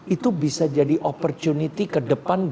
itu bisa jadi opportunity ke depan